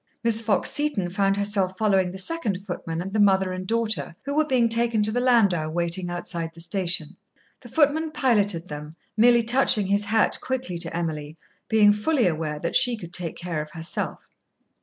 Miss Fox Seton found herself following the second footman and the mother and daughter, who were being taken to the landau waiting outside the station. The footman piloted them, merely touching his hat quickly to Emily, being fully aware that she could take care of herself.